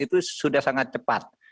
itu sudah sangat cepat